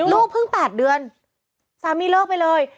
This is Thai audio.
ลูกเพิ่ง๘เดือนสามีเลิกไปเลย